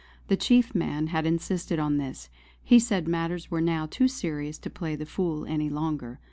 The chief man had insisted on this; he said matters were now too serious to play the fool any longer.